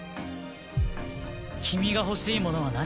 君が欲しいものは何？